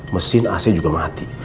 mesin ac juga mati